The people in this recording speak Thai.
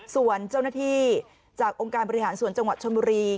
ส่วนเจ้าหน้าที่จากองค์การบริหารส่วนจังหวัดชนบุรี